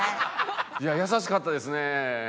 「いや優しかったですね！」。